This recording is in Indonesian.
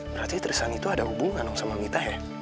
berarti trisan itu ada hubungan sama mita ya